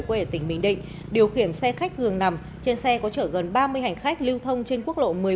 quê ở tỉnh bình định điều khiển xe khách dường nằm trên xe có chở gần ba mươi hành khách lưu thông trên quốc lộ một mươi năm